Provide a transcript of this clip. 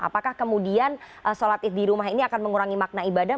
apakah kemudian sholat id di rumah ini akan mengurangi makna ibadah